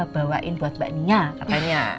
bawain buat mbak nia katanya